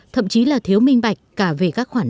thậm chí là thiếu minh bạch cả về các khoản nợ